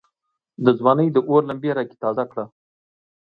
دځوانۍ داور لمبي را کې تازه کړه